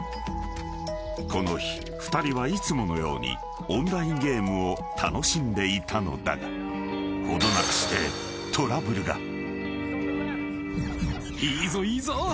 ［この日２人はいつものようにオンラインゲームを楽しんでいたのだが程なくしてトラブルが］